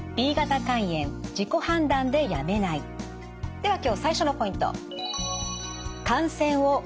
では今日最初のポイント。